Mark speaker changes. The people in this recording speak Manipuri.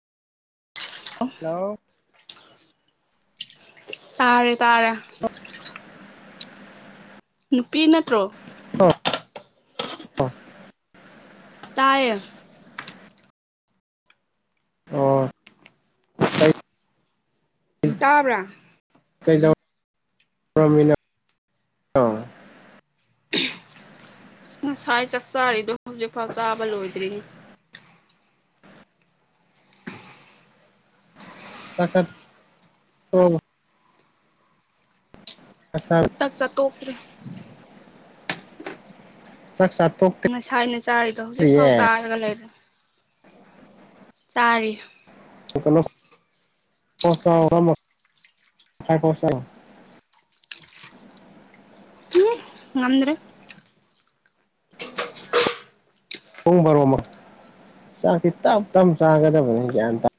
Speaker 1: ꯂꯥꯛꯑꯣ
Speaker 2: ꯇꯥꯔꯦ ꯇꯥꯔꯦ
Speaker 1: [inaudible]
Speaker 2: ꯅꯨꯄꯤ ꯅꯠꯇ꯭ꯔꯣ
Speaker 1: [inaudible]
Speaker 2: ꯑꯌꯦ
Speaker 1: ꯑꯣ
Speaker 2: ꯇꯥꯕ꯭ꯔꯥ
Speaker 1: ꯀꯩꯗꯧ ꯔꯝꯃꯤꯟꯅꯣ ꯑꯣ
Speaker 2: ꯉꯁꯥꯏ ꯆꯥꯛ ꯆꯥꯔꯤꯗꯣ ꯍꯧꯖꯤꯛꯐꯥꯎ ꯆꯥꯕ ꯂꯣꯏꯗ꯭ꯔꯤꯅꯦ
Speaker 1: ꯆꯥꯛ ꯆꯥꯠ [unintelligible] ꯆꯥꯛ ꯆꯥ
Speaker 2: ꯆꯥꯛ ꯆꯥ ꯇꯣꯛꯇ꯭ꯔꯤ
Speaker 1: ꯆꯥꯛ ꯆꯥ ꯇꯣꯛꯇ꯭ꯔꯤꯌꯦ
Speaker 2: ꯉꯁꯥꯏꯅ ꯆꯥꯔꯤꯗꯣ ꯍꯧꯖꯤꯛꯐꯥꯎ ꯆꯥꯔꯒ ꯂꯩꯕ ꯆꯥꯔꯤ
Speaker 1: [unintelligible]
Speaker 2: [unintelligible] ꯉꯝꯗ꯭ꯔꯦ
Speaker 1: ꯄꯨꯡ ꯕꯔꯣꯃꯛ ꯆꯥꯛꯇꯤ ꯇꯞ ꯇꯞ ꯆꯥꯒꯗꯕꯅꯤ ꯒ꯭ꯌꯥꯟ ꯇꯥ